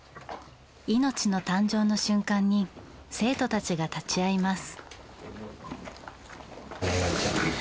命の誕生の瞬間に生徒たちが立ち合います。